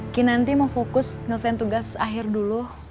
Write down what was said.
kini nanti mau fokus ngerusain tugas akhir dulu